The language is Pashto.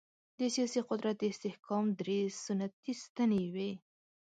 د سیاسي قدرت د استحکام درې سنتي ستنې وې.